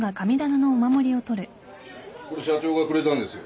これ社長がくれたんですよ